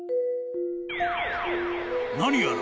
［何やら］